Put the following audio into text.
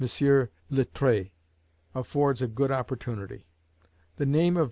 Littré, affords a good opportunity. The name of M.